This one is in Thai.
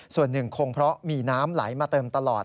ส่วนหนึ่งคงเพราะมีน้ำไหลมาเติมตลอด